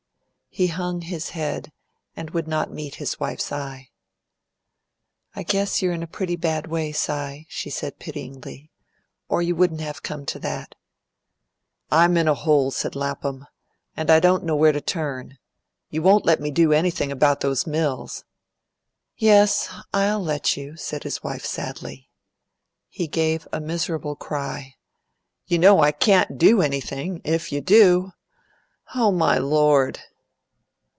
He hung his head, and would not meet his wife's eye. "I guess you're in a pretty bad way, Si," she said pityingly, "or you wouldn't have come to that." "I'm in a hole," said Lapham, "and I don't know where to turn. You won't let me do anything about those mills " "Yes, I'll let you," said his wife sadly. He gave a miserable cry. "You know I can't do anything, if you do. O my Lord!"